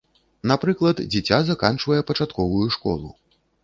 Напрыклад, дзіця заканчвае пачатковую школу.